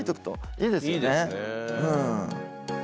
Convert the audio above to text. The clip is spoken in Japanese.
いいですね。